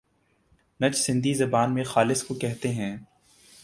نج سندھی زبان میں خالص کوکہتے ہیں۔